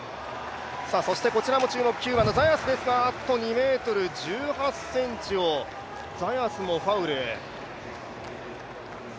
そしてこちらも注目、キューバのザヤスですが２ｍ１８ｃｍをザヤスもファウル。